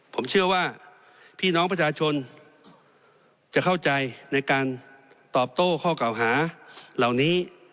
ผมเชื่อว่าพี่น้องประชาชนจะเข้าใจในการตอบโต้ข้อเก่าหาเหล่านี้